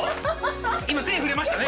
今手触れましたね。